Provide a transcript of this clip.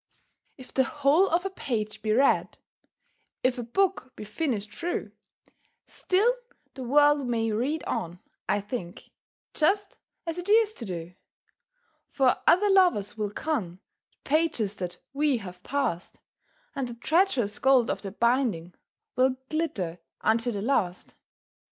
II. If the whole of a page be read, If a book be finished through, Still the world may read on, I think, Just as it used to do; For other lovers will con The pages that we have passed, And the treacherous gold of the binding Will glitter unto the last.